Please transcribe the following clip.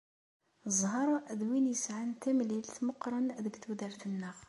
Ẓẓher d win yesεan tamlilt meqqren deg tudert-nneɣ.